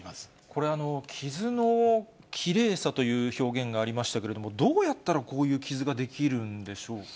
これ、傷のきれいさという表現がありましたけれども、どうやったらこういう傷が出来るんでしょうか。